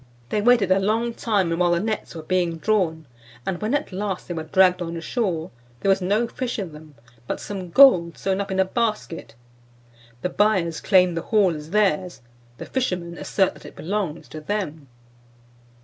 They waited a long time while the nets were being drawn, and when at last they were dragged on shore, there was no fish in them, but some gold sewn up in a basket. The buyers claim the haul as theirs, the fishermen assert that it belongs to them."